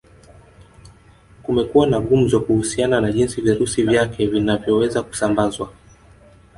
Kumekuwa na gumzo kuhusiana na jinsi virusi vyake vinavyoweza kusambazwa